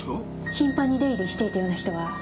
頻繁に出入りしていたような人は？